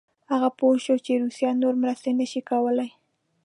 هغه پوه شو چې روسیه نور مرستې نه شي کولای.